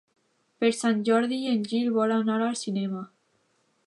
Per Sant Jordi en Gil vol anar al cinema.